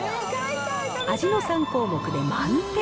味の３項目で満点。